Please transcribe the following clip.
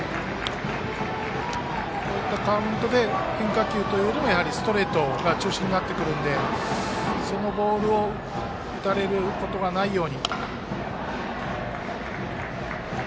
こういったカウントで変化球というよりストレートが中心になってくるのでそのボールを打たれることがないように。